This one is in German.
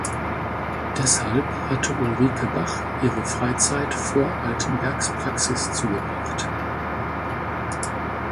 Deshalb hatte Ulrike Bach ihre Freizeit vor Altenbergs Praxis zugebracht.